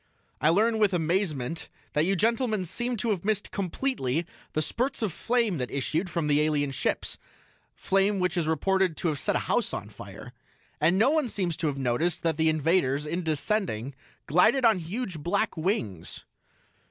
I learn with amazement that you gentlemen seem to have missed completely the spurts of flame that issued from the alien ships flame which is reported to have set a house on fire. And no one seems to have noticed that the invaders, in descending, glided on huge black wings."